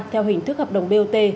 theo hình thức hợp đồng bot